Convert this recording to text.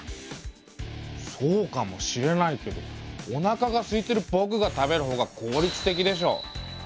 そうかもしれないけどおなかがすいているぼくが食べるほうが効率的でしょ。